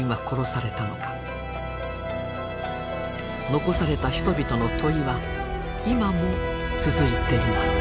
残された人々の問いは今も続いています。